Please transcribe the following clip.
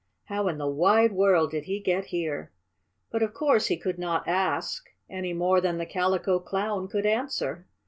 "How in the wide world did he get here?" But of course he could not ask, any more than the Calico Clown could answer.